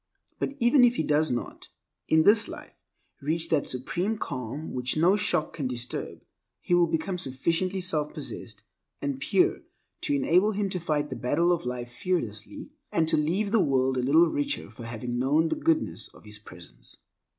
But even if he does not, in this life, reach that supreme calm which no shock can disturb, he will become sufficiently self possessed and pure to enable him to fight the battle of life fearlessly, and to leave the world a little richer for having known the goodness of his presence.